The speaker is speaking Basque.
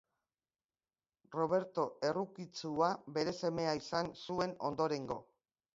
Roberto Errukitsua bere semea izan zuen ondorengo.